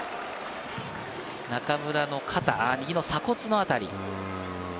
中村の肩、右の鎖骨の辺り。